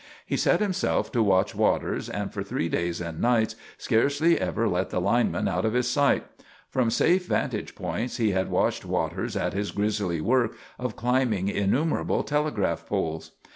He set himself to watch Waters and for three days and nights scarcely ever let the lineman out of his sight. From safe vantage points he had watched Waters at his grisly work of climbing innumerable telegraph poles.